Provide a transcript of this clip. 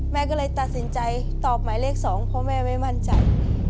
แม่ก็เลยตัดสินใจตอบหมายเลข๒เพราะแม่ไม่มั่นใจ